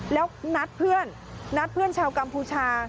แล้วนัดเพื่อนนัดเพื่อนชาวกัมพูชา